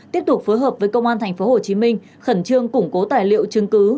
tiếp tục phối hợp với công an tp hcm khẩn trương củng cố tài liệu chứng cứ